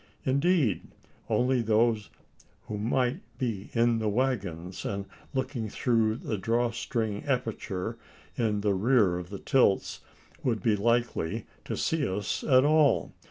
Indeed, only those who might be in the waggons, and looking through the draw string aperture in the rear of the tilts, would be likely to see us at all.